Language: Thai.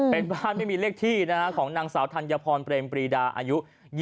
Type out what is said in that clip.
เป็นบ้านไม่มีเลขที่นะของนางสาวธัลยภรณ์เปริมปรีโดระอายุ๒๖